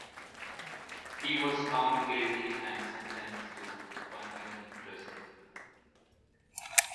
He was found guilty and sentenced to one year in prison.